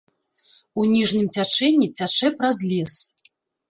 У ніжнім цячэнні цячэ праз лес.